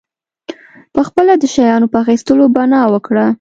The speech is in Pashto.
پخپله د شیانو په اخیستلو بنا وکړه.